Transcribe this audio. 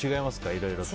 いろいろと。